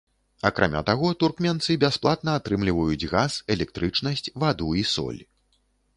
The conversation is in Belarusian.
Акрамя таго, туркменцы бясплатна атрымліваюць газ, электрычнасць, ваду і соль.